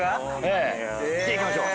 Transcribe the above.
じゃあ行きましょう。